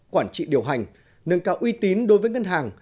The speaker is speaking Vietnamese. quản trị điều hành nâng cao uy tín đối với ngân hàng